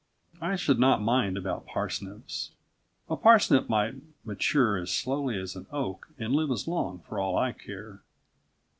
I should not mind about parsnips. A parsnip might mature as slowly as an oak and live as long for all I care.